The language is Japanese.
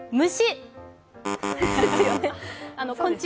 虫？